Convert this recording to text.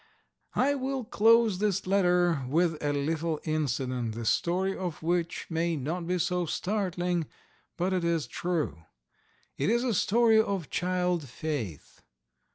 I will close this letter with a little incident, the story of which may not be so startling, but it is true. It is a story of child faith.